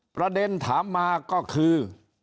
ประเด็นถามมาก็คือ